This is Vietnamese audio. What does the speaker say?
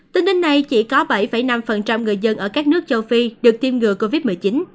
tính đến nay chỉ có bảy năm người dân ở các nước châu phi được tiêm ngừa covid một mươi chín